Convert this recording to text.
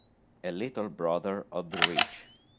A Little Brother of the Rich